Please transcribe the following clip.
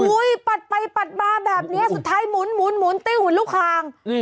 อุ้ยปัดไปปัดมาแบบเนี่ยสุดท้ายหมุนติ้งหลุดคาง